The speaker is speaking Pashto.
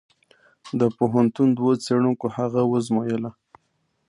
د پوهنتون دوو څېړونکو هغه وزمویله.